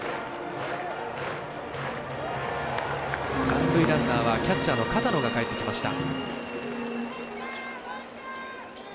三塁ランナーはキャッチャーの片野がかえってきました。